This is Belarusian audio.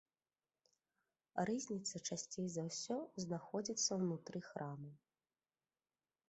Рызніца часцей за ўсё знаходзіцца ўнутры храма.